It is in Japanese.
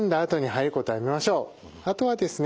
あとはですね